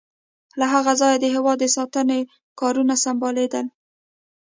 له هغه ځایه د هېواد د ساتنې کارونه سمبالیدل.